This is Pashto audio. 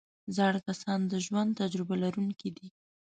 زاړه کسان د ژوند تجربه لرونکي دي